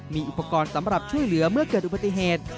มีอุปกรณ์สำหรับช่วยเหลือเมื่อเกิดอุบัติเหตุ